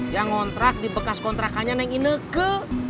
yang ngontrak di bekas kontrakannya neng ineke